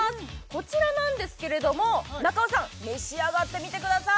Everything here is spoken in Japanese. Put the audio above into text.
こちらなんですけれども中尾さん召し上がってみてください